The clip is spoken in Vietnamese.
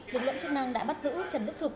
lực lượng chức năng đã bắt giữ trần đức thực